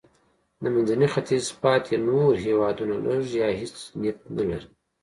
د منځني ختیځ پاتې نور هېوادونه لږ یا هېڅ نفت نه لري.